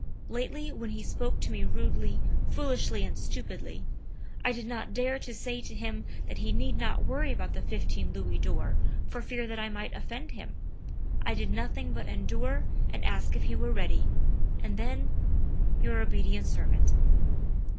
Lately when he spoke to me rudely, foolishly and stupidly, I did not dare to say to him that he need not worry about the 15 Louis d'Or for fear that I might offend him. I did nothing but endure and ask if he were ready; and then your obedient servant."